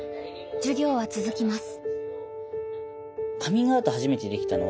授業は続きます。